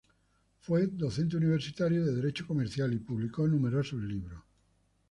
Fue docente universitario de Derecho Comercial, y publicó numerosos libros.